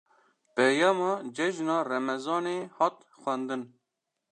Peyama cejna remezanê, hat xwendin